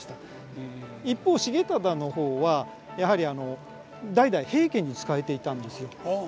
一方重忠の方はやはり代々平家に仕えていたんですよ。